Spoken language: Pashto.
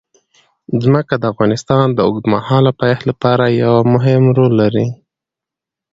ځمکه د افغانستان د اوږدمهاله پایښت لپاره یو مهم رول لري.